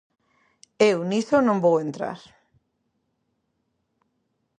Eu niso non vou entrar.